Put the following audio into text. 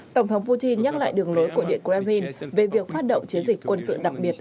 tổng thống putin nhắc lại đường lối của điện kremlin về việc phát động chiến dịch quân sự đặc biệt